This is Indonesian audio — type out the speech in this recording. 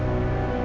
aku akan ke rumah